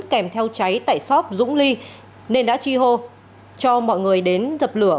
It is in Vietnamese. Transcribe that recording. kèm theo cháy tại xóm dũng ly nên đã chi hô cho mọi người đến dập lửa